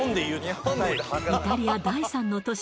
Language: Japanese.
イタリア第３の都市